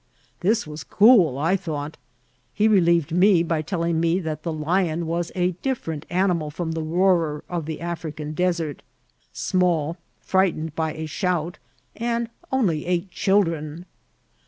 This was cool, I thought ; he relieved me by telling kne that the Hon was a different animal firom the roarer of the Afirican desert, small, firightened by a shout, and only ate children.